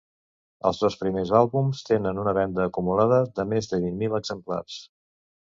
Els dos primers àlbums tenen una venda acumulada de més de vint mil exemplars.